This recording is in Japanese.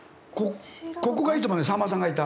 ここがいつもねさんまさんがいた。